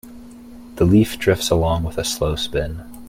The leaf drifts along with a slow spin.